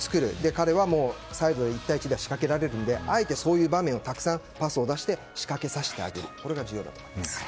彼はサイドで１対１で仕掛けられるのであえてそういう場面をたくさんパスを出して仕掛けさせてあげることが重要です。